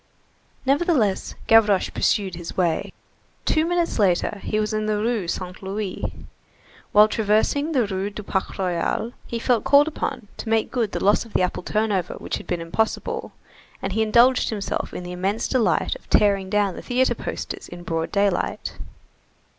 Nevertheless, Gavroche pursued his way. Two minutes later he was in the Rue Saint Louis. While traversing the Rue du Parc Royal, he felt called upon to make good the loss of the apple turnover which had been impossible, and he indulged himself in the immense delight of tearing down the theatre posters in broad daylight.